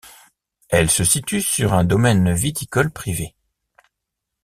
Elle se situe sur un domaine viticole privé.